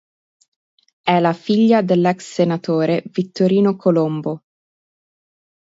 È la figlia dell'ex senatore Vittorino Colombo.